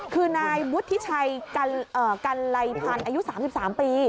คือนายวุฒิชัยกันไลพันธ์อายุ๓๓ปี